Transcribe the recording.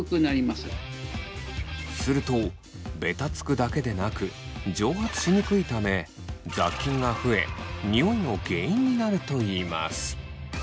するとベタつくだけでなく蒸発しにくいため雑菌が増えニオイの原因になるといいます。